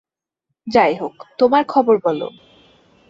যাইহোক, তোমার খবর বলো?